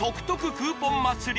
クーポン祭り